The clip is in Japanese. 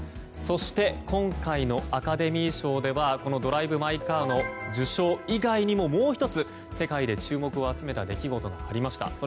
そして、今回のアカデミー賞ではこの「ドライブ・マイ・カー」の受賞以外にも、もう１つ世界で注目を集めた出来事がありました。